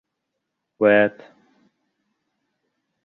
Үәт!!!